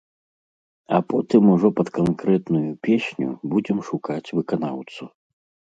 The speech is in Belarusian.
А потым ужо пад канкрэтную песню будзем шукаць выканаўцу.